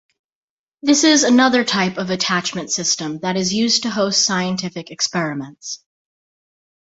This is another type of attachment system that is used to host scientific experiments.